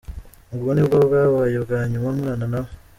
Ubwo nibwo bwabaye ubwa nyuma nkorana nawe.